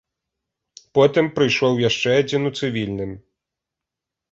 Потым прыйшоў яшчэ адзін у цывільным.